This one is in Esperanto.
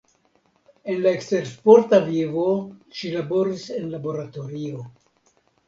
En la ekstersporta vivo ŝi laboris en laboratorio.